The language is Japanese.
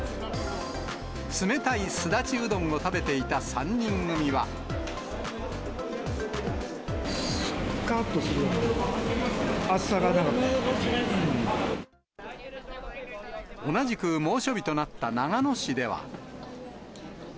冷たいすだちうどんを食べてすかーっとするような、同じく、猛暑日となった長野市では。